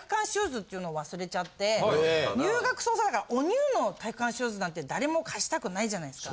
入学早々だからおニューの体育館シューズなんて誰も貸したくないじゃないですか？